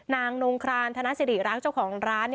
นางนงครานธนสิริรักษ์เจ้าของร้าน